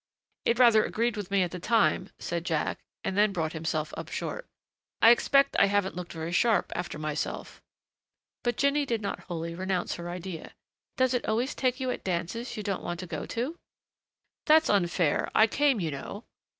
"H'm it rather agreed with me at the time," said Jack, and then brought himself up short. "I expect I haven't looked very sharp after myself " But Jinny did not wholly renounce her idea. "Does it always take you at dances you don't want to go to?" "That's unfair. I came, you know."